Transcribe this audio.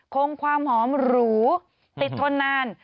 คงความหอมหรูติดทนนาน